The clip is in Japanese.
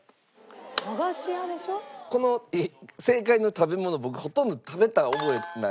この正解の食べ物僕ほとんど食べた覚えないです。